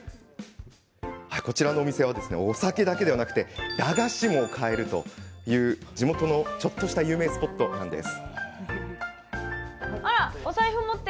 このお店、お酒だけでなくて駄菓子も買えるという地元のちょっとした有名スポットなんです。